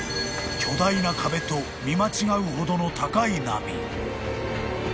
［巨大な壁と見間違うほどの］